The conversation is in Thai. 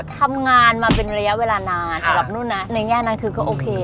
ทำงานมาเป็นระยะเวลานานสำหรับนุ่นนะในแง่นั้นคือก็โอเค